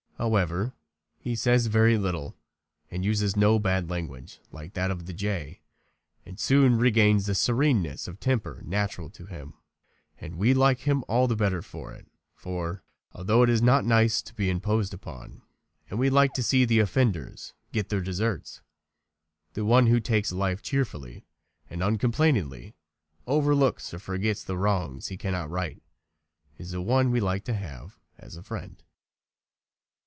However, he says very little, uses no bad language like that of the jay, and soon regains the sereneness of temper natural to him. And we like him all the better for it, for, although it is not nice to be imposed upon and we like to see offenders get their deserts, the one who takes life cheerfully and uncomplainingly overlooks or forgets the wrongs he cannot right is the one we like to have as a friend.